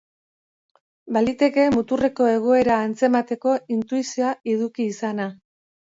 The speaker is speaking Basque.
Baliteke muturreko egoera antzemateko intuizioa eduki izana.